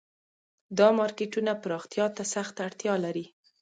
دا مارکیټونه پراختیا ته سخته اړتیا لري